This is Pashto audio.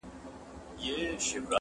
وخته راسه مرور ستوري پخلا کړو,